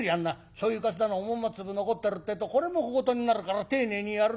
しょうゆかすだのおまんま粒残ってるってえとこれも小言になるから丁寧にやるんだ。